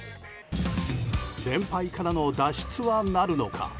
連敗からの脱出はなるのか。